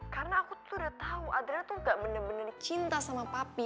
karena aku tuh udah tau adrena tuh gak bener bener cinta sama papi